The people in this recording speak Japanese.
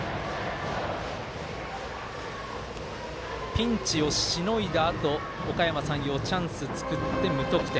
ピンチをしのいだあとおかやま山陽チャンス作って無得点。